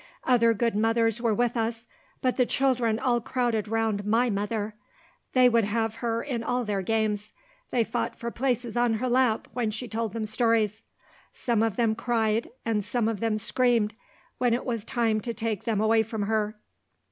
Other good mothers were with us but the children all crowded round my mother. They would have her in all their games; they fought for places on her lap when she told them stories; some of them cried, and some of them screamed, when it was time to take them away from her.